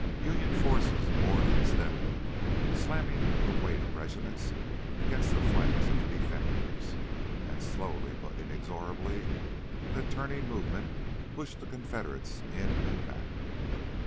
Union forces bored in steadily, slamming the weight of regiments against the flanks of the defenders. And slowly but inexorably, that turning movement pushed the Confederates in and back.